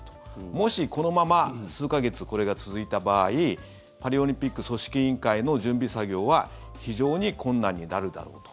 もし、このまま数か月これが続いた場合パリオリンピック組織委員会の準備作業は非常に困難になるだろうと。